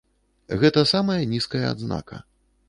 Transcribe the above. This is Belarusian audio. Гэта самая нізкая адзнака.